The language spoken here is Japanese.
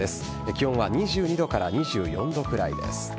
気温は２２度から２４度くらいです。